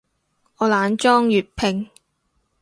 我懶裝粵拼